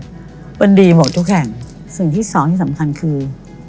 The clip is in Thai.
มันดีหมดทุกแห่งสิ่งที่สองที่สำคัญคือ